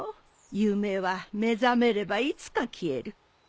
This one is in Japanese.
夢は目覚めればいつか消える。